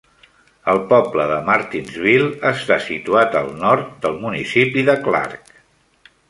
El poble de Martinsville està situat al nord del municipi de Clark.